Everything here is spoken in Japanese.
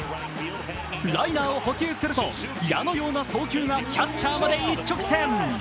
ライナーを捕球すると矢のような送球がキャッチャーまで一直線。